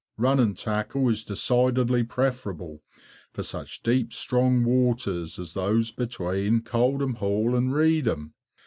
Running tackle is decidedly preferable for such deep, strong waters as those between Coldham Hall and Reedham.